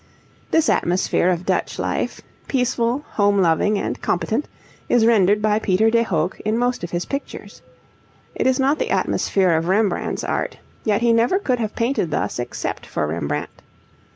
This atmosphere of Dutch life, peaceful, home loving, and competent, is rendered by Peter de Hoogh in most of his pictures. It is not the atmosphere of Rembrandt's art, yet he never could have painted thus except for Rembrandt.